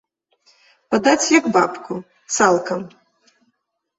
Падаць як бабку, цалкам.